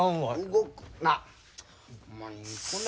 動くな。